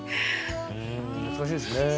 懐かしいですね。